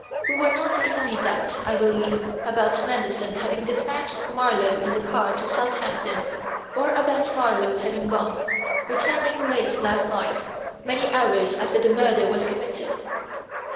We were not in any doubt, I believe, about Manderson having despatched Marlowe in the car to Southampton, or about Marlowe having gone, returning late last night, many hours after the murder was committed."